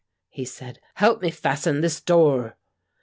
he said. "Help me fasten this door!"